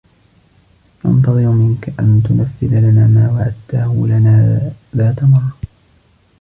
ننتظرُ منكَ أن تُنَفِّذَ لنا ما وعدتَه لنا ذات مرة.